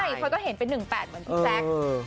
ใช่เขาก็เห็นเป็น๑๘เหมือนพี่แจ๊ค